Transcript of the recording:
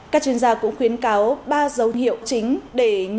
các chuyên gia cũng khuyến cáo ba dấu hiệu chính để